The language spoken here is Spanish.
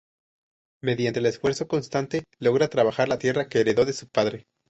Mediante su esfuerzo constante, logra trabajar la tierra que heredó de su padre.